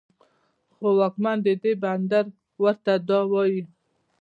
خو واکمن د دې بندر ورته دا وايي